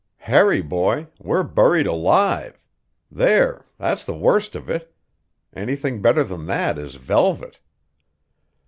"Harry boy, we're buried alive! There! That's the worst of it. Anything better than that is velvet."